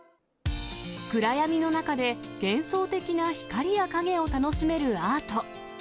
暗闇の中で幻想的な光や影を楽しめるアート。